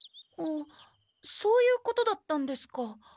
んっそういうことだったんですか。